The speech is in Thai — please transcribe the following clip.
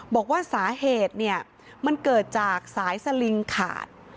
บอกว่าสาเหตุเนี่ยมันเกิดจากสายสลิงขาด